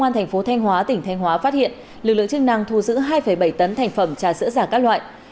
và công an tp thanh hóa tỉnh thanh hóa phát hiện lực lượng chức năng thu giữ hai bảy tấn thành phẩm trả sữa giả các loại